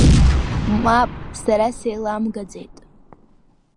Маап, сара сеилам-гаӡеит.